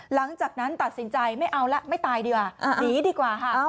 หลังจากนั้นตัดสินใจไม่เอาละไม่ตายดีกว่าหนีดีกว่าค่ะ